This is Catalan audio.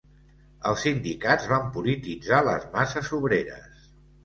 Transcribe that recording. Els sindicats van polititzar les masses obreres.